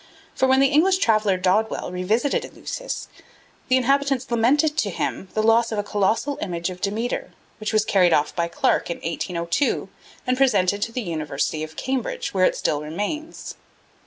For when the English traveller Dodwell revisited Eleusis, the inhabitants lamented to him the loss of a colossal image of Demeter, which was carried off by Clarke in 1802 and presented to the University of Cambridge, where it still remains.